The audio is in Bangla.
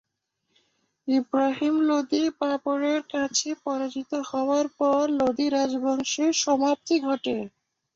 ইবরাহিম লোদি বাবরের কাছে পরাজিত হওয়ার পর লোদি রাজবংশের সমাপ্তি ঘটে।